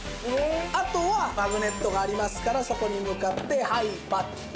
あとはマグネットがありますからそこに向かってはいパッチンでございます。